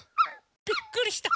びっくりした！